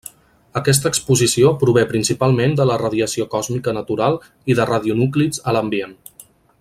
Aquesta exposició prové principalment de la radiació còsmica natural i de radionúclids a l'ambient.